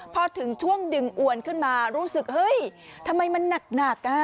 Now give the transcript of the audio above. พอถึงช่วงดึงอวนขึ้นมารู้สึกเฮ้ยทำไมมันหนัก